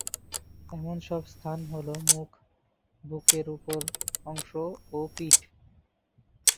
এমন সব স্থান হল-মুখ, বুকের উপর অংশ ও পিঠ।